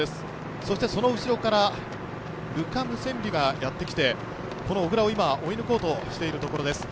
そしてその後ろから、ルカ・ムセンビがやってきてこの小椋を今、追い抜こうとしているところです。